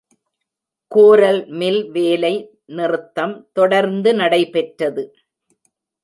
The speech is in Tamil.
கோரல் மில் வேலை நிறுத்தம் தொடர்ந்து நடைபெற்றது.